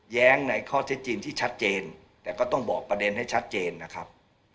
แย้งในข้อเท็จจริงที่ชัดเจนแต่ก็ต้องบอกประเด็นให้ชัดเจนนะครับ